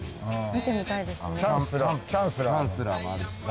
見てみたいですね。